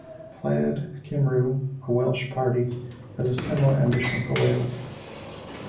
Plaid Cymru, a Welsh party, has a similar ambition for Wales.